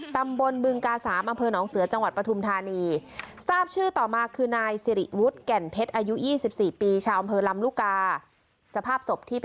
ตำบลบึงกาสามอำเภอหนองเสือจังหวัดปฐุมธานีทราบชื่อต่อมาคือนายสิริวุฒิแก่นเพชรอายุอี่สิบสี่ปีชาวอำเภอลำรุกา